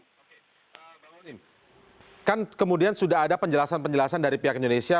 oke bang onim kan kemudian sudah ada penjelasan penjelasan dari pihak indonesia